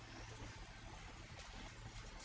mau jadi kayak gini sih salah buat apa